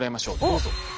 どうぞ。